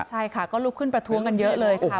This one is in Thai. ใช่ค่ะก็ลุกขึ้นประท้วงกันเยอะเลยค่ะ